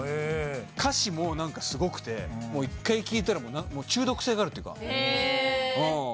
歌詞も何かすごくて一回聴いたら中毒性があるというか。